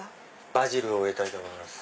バジルを植えたいと思います。